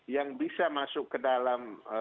yang bisa masuk ke dalam